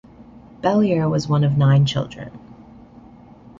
Bellear was one of nine children.